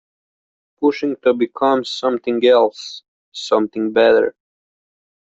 Pushing to become something else, something better.